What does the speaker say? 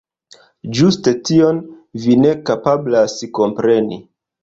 Ĝuste tion vi ne kapablas kompreni...